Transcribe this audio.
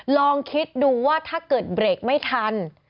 ลองคิดดูว่าถ้าเกิดเบรกไม่ทัน